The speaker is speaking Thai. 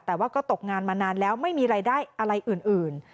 แต่ว่าก็ตกงานมานานแล้วไม่มีรายได้อะไรอื่น